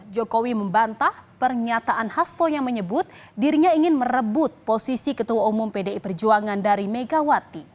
jokowi membantah pernyataan hasto yang menyebut dirinya ingin merebut posisi ketua